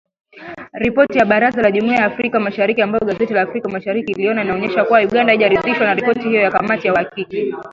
Ripoti ya Baraza la Jumuiya ya Afrika Mashariki ambayo gazeti la Africa Mashariki iliiona inaonyesha kuwa Uganda haijaridhishwa na ripoti hiyo ya kamati ya uhakiki.